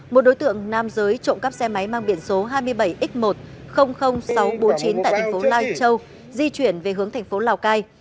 một đối tượng nam giới trộm cắp xe máy mang biển số hai mươi bảy x một trăm linh nghìn sáu trăm bốn mươi chín tại thành phố lai châu di chuyển về hướng thành phố lào cai